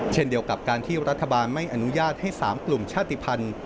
เช่นเดียวกับการที่รัฐบาลไม่อนุญาตให้๓กลุ่มชาติภัณฑ์